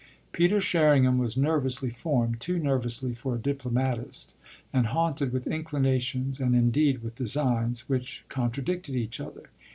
Peter Sherringham was nervously formed, too nervously for a diplomatist, and haunted with inclinations and indeed with designs which contradicted each other.